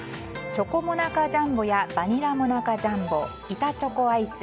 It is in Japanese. チョコモナカジャンボやバニラモナカジャンボ板チョコアイス